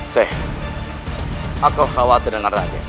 seh aku khawatir dengan raja